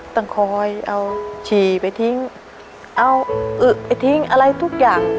ต้องคอยเอาฉี่ไปทิ้งเอาอึไปทิ้งอะไรทุกอย่าง